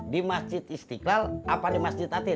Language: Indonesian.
di masjid istiqlal apa di masjid natir